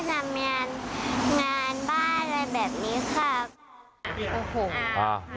ก็ช่วยพ่อแม่ทำงานบ้านอะไรแบบนี้ค่ะ